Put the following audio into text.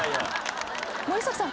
森崎さん